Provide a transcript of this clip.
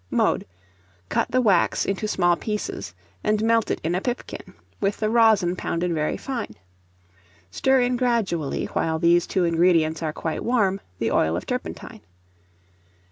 Mode. Cut the wax into small pieces, and melt it in a pipkin, with the rosin pounded very fine. Stir in gradually, while these two ingredients are quite warm, the oil of turpentine.